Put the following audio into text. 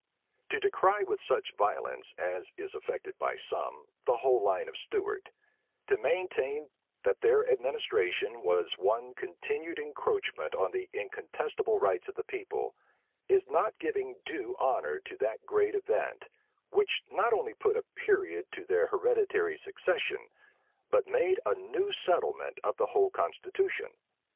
To decry with such violence, as is affected by some, the whole line of Stuart; to maintain, that their administration was one continued encroachment on the incontestable rights of the people; is not giving due honor to that great event, which not only put a period to their hereditary succession, but made a new settlement of the whole constitution.